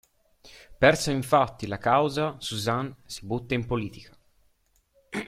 Persa infatti la causa, Suzanne si butta in politica.